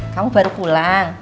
kamu baru pulang